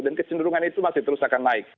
dan kecenderungan itu masih terus akan naik